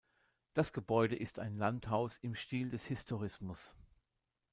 Das Gebäude ist ein Landhaus im Stil des Historismus.